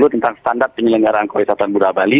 tentang standar penyelenggaraan kewisataan budaya bali